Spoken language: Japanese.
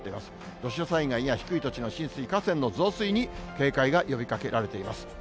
土砂災害や低い土地の浸水、河川の増水に警戒が呼びかけられています。